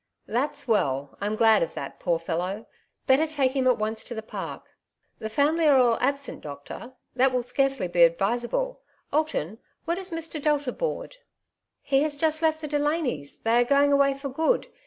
"That's well! Tm glad of that, poor fellow 1 Better take him at once to the Park." "The family are all absent, doctor; that will scarcely be advisable. Alton, where does Mr. Delta board ?"" He has just left the Delanys' ; they are going away for good.